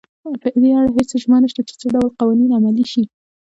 په دې اړه هېڅ اجماع نشته چې څه ډول قوانین عملي شي.